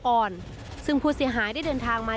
อ่อนซึ่งผู้เสียหายได้เดินทางมา